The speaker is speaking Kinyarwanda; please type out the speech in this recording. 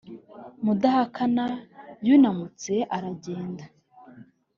mudahakana yunamutse aragenda